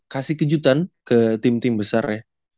kasih kejutan ke tim tim besar ya